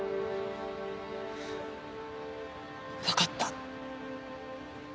わかった。